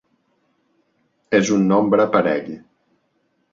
És un nombre parell.